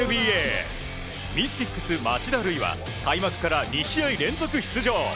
ミスティクス、町田瑠唯は開幕から２試合連続出場。